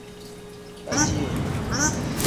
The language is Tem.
Ajihoo.